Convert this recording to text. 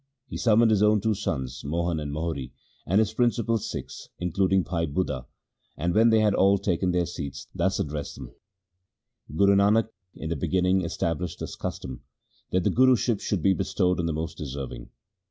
He summoned his own two sons, Mohan and Mohri, and his principal Sikhs, including Bhai Budha, and, when they had all taken their seats, thus addressed them :' Guru Nanak in the begin ning established this custom, that the Guruship should be bestowed on the most deserving.